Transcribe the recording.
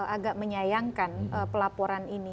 agak menyayangkan pelaporan ini